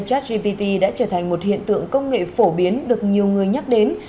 gartgpt đã trở thành một hiện tượng công nghệ phổ biến được nhiều người nhắc đến